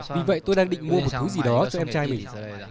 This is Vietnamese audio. vì vậy tôi đang định mua một thứ gì đó cho em trai mình